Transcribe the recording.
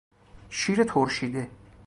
شیر ترشیده